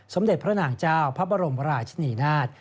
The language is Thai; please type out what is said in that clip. สมเด็จพระนางเจ้าพระบรมราชินีนาฏ